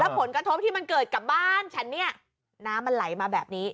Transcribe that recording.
และผลกระทบที่ขึ้นกับบ้านเดี๋ยวหน้ามันไหลมาแบบนี้